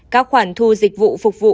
các khoản thu dịch vụ phục vụ